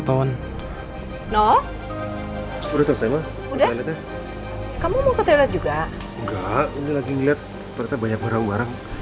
ternyata banyak warang warang